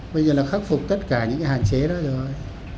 bây giờ là khắc phục tất cả những cái hạn chế đó rồi